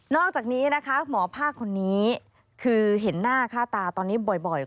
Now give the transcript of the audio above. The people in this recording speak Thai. อกจากนี้นะคะหมอภาคคนนี้คือเห็นหน้าค่าตาตอนนี้บ่อย